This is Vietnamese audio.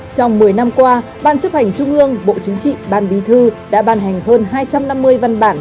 trong một mươi năm qua ban chấp hành trung ương bộ chính trị ban bí thư đã ban hành hơn hai trăm năm mươi văn bản